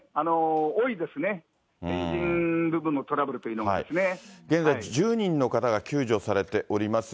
多いですね、エンジン部分のトラブルというのはですね。現在、１０人の方が救助されております。